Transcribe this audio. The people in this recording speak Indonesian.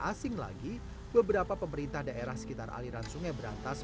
asing lagi beberapa pemerintah daerah sekitar aliran sungai berantas